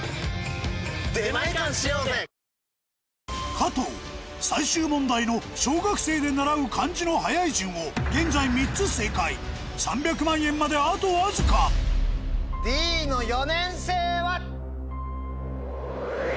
加藤最終問題の小学生で習う漢字の早い順を現在３つ正解３００万円まであとわずかＤの４年生は？